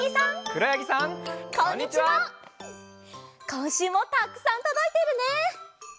こんしゅうもたくさんとどいているね！